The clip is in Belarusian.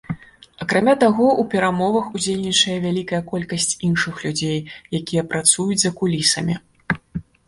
Акрамя таго, у перамовах удзельнічае вялікая колькасць іншых людзей, якія працуюць за кулісамі.